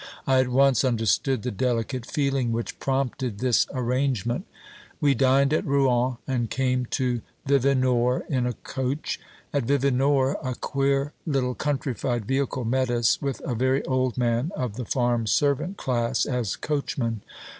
I at once understood the delicate feeling which prompted this arrangement. We dined at Rouen, and came to Vevinord in a coach. At Vevinord a queer little countrified vehicle met us, with a very old man, of the farm servant class, as coachman.